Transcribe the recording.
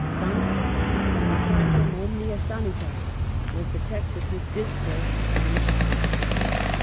" Sanitas sanitatum omnia Sanitas," was the text of his discourse at Manchester.